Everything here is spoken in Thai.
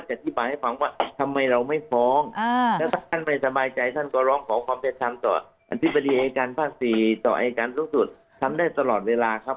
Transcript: อายการฝากศรีต่ออายการสูงสุดทำได้ตลอดเวลาครับ